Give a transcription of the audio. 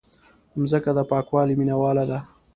مځکه د پاکوالي مینواله ده.